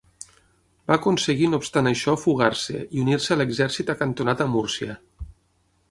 Va aconseguir no obstant això fugar-se i unir-se a l'exèrcit acantonat a Múrcia.